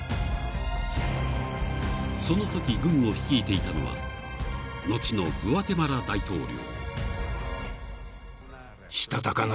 ［そのとき軍を率いていたのは後のグアテマラ大統領］